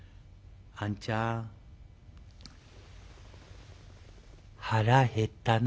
「あんちゃん腹減ったな」。